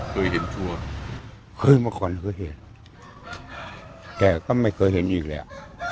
เคยเห็นทัวร์เคยมาก่อนเคยเห็นแกก็ไม่เคยเห็นอีกแล้ว